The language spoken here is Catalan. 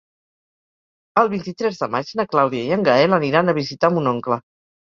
El vint-i-tres de maig na Clàudia i en Gaël aniran a visitar mon oncle.